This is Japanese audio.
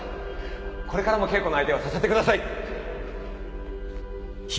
これからも稽古の相手をさせてください。